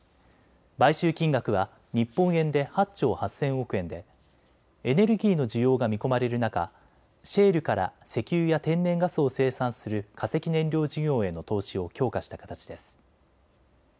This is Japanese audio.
買収金額は日本円で８兆８０００億円でエネルギーの需要が見込まれる中、シェールから石油や天然ガスを生産する化石燃料事業への投資を強化した形です。